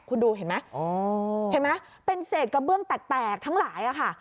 คุณดูเห็นไหมเห็นไหมเป็นเศษกระเบื้องแตกทั้งหลายค่ะ